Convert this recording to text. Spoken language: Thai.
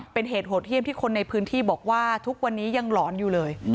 เป็นเหตุโหดเยี่ยมที่คนในพื้นที่บอกว่าทุกวันนี้ยังหลอนอยู่เลย